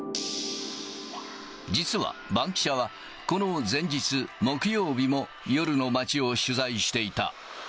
実はバンキシャは、この前日、木曜日も夜の街を取材していた。